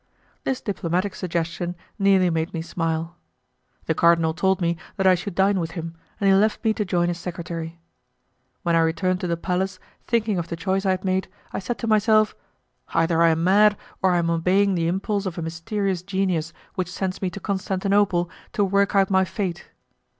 This diplomatic suggestion nearly made me smile. The cardinal told me that I should dine with him, and he left me to join his secretary. When I returned to the palace, thinking of the choice I had made, I said to myself, "Either I am mad, or I am obeying the impulse of a mysterious genius which sends me to Constantinople to work out my fate."